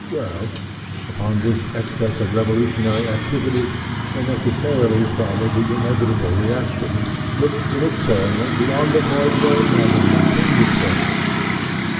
Well, upon this excess of revolutionary activ ity there necessarily followed the inevitable reac tion which in its turn went beyond the point where it might have maintained itself.